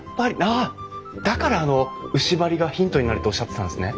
ああだからあの牛梁がヒントになるとおっしゃってたんですね。